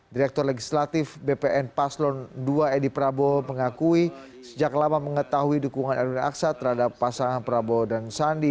direktur legislatif bpn paslon ii edi prabowo mengakui sejak lama mengetahui dukungan erwin aksa terhadap pasangan prabowo dan sandi